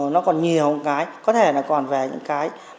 nó còn nhiều cái có thể là còn về những cái